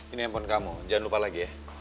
ini handphone kamu jangan lupa lagi ya